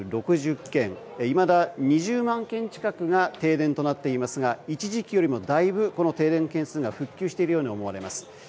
いまだ２０万軒近くが停電となっていますが一時期よりもだいぶ、停電軒数が復旧しているように思われます。